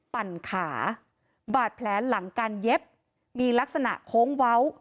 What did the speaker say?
ปั่นขาบาดแผลหลังการเย็บมีลักษณะโค้งเว้า